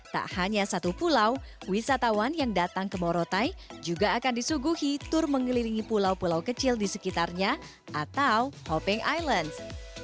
tak hanya satu pulau wisatawan yang datang ke morotai juga akan disuguhi tur mengelilingi pulau pulau kecil di sekitarnya atau hopping islands